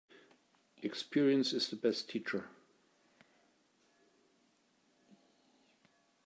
Experience is the best teacher.